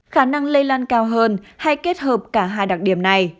khả năng lây lan cao hơn hay kết hợp cả hai đặc điểm này